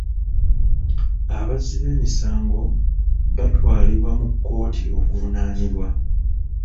Abazzi b'emisango batwalibwa mu kkooti okuvunaanibwa.